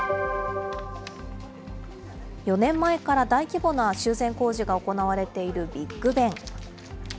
４年前から大規模な修繕工事が行われているビッグベン。